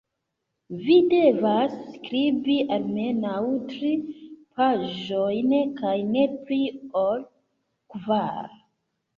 Vi devas skribi almenaŭ tri paĝojn kaj ne pli ol kvar.